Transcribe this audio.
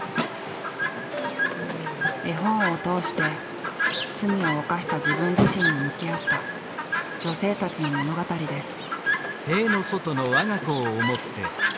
絵本を通して罪を犯した自分自身に向き合った女性たちの物語です。